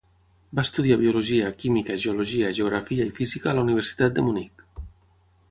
Va estudiar biologia, química, geologia, geografia i física a la Universitat de Munic.